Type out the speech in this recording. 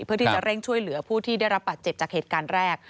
เพื่อที่จะเร่งช่วยเหลือผู้ที่ได้รับบาดเจ็บจากเหตุการณ์แรก